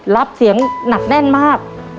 รับเสียงหนักแน่นมาก